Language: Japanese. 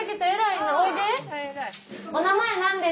お名前何ですか？